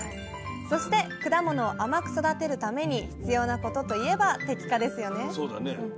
そして果物を甘く育てるために必要なことといえば摘果ですよね